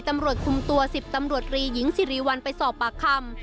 ตำรวจคุมตัว๑๐ตำรวจรีหญิงสิริวัลไปสอบปากคำ